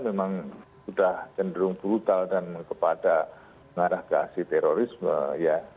memang sudah cenderung brutal dan kepada pengarah keasi terorisme ya